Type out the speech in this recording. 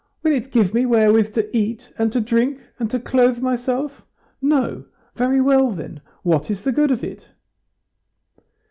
Will it give me wherewith to eat and to drink, and to clothe myself? No! Very well then, what is the good of it?"